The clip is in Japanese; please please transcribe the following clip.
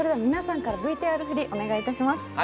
皆さんからＶＴＲ振り、お願いします。